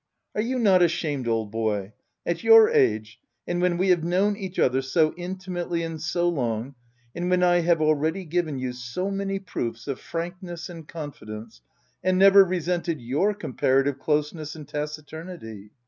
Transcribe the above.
Are you not ashamed, old boy — at your age, and when we have known each other so inti mately and so long, and when I have already given you so many proofs of frankness and con fidence, and never resented your comparative closeness and taciturnity?